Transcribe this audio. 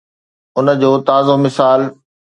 ان جو تازو مثال